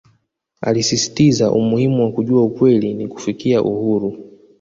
Alisisitiza umuhimu wa kujua ukweli ili kufikia uhuru